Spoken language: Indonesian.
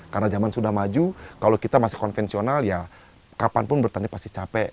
karena zaman sudah maju kalau kita masih konvensional ya kapanpun bertanian pasti capek